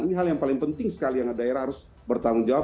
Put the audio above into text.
ini hal yang paling penting sekali yang daerah harus bertanggung jawab